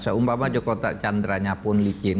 seumpama joko chandranya pun licin